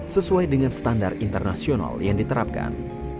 sesuai dengan standar internasional yang diterapkan